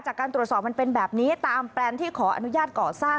จากการตรวจสอบมันเป็นแบบนี้ตามแปลนที่ขออนุญาตก่อสร้าง